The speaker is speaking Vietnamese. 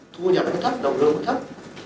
thu nhập nó thấp đồng lương nó thấp